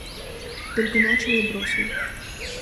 Только начал и бросил.